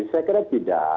saya kira tidak